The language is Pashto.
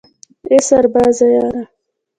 ای سربازه یاره